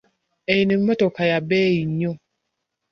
Eno emottoka ya beeyi nnyo.